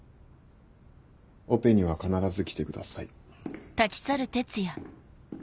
オペには必ず来てください。